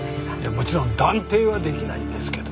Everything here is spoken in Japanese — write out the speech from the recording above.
もちろん断定はできないんですけどね。